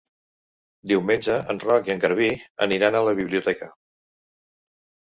Diumenge en Roc i en Garbí aniran a la biblioteca.